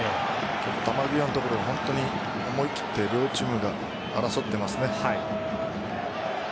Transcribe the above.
球際のところ思い切って両チームが争っていますね。